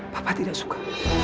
papa tidak suka